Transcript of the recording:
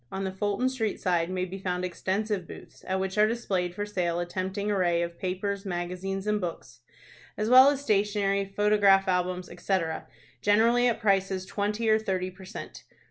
On the Fulton Street side may be found extensive booths, at which are displayed for sale a tempting array of papers, magazines, and books, as well as stationery, photograph albums, etc., generally at prices twenty or thirty per cent.